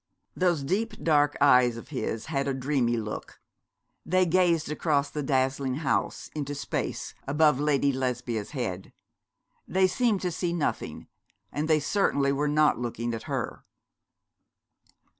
Those deep dark eyes of his had a dreamy look. They gazed across the dazzling house, into space, above Lady Lesbia's head. They seemed to see nothing; and they certainly were not looking at her.